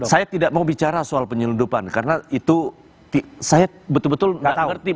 saya tidak mau bicara soal penyelundupan karena itu saya betul betul nggak tahu